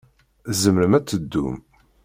Tzemrem ad teddum.